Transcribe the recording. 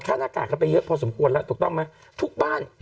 หน้ากากกันไปเยอะพอสมควรแล้วถูกต้องไหมทุกบ้าน